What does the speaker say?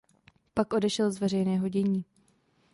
Pak odešel z veřejného dění.